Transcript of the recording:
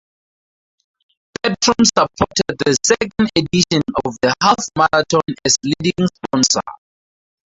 Petrom supported the second edition of the half marathon as leading sponsor.